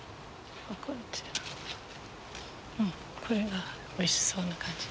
うんこれがおいしそうな感じ。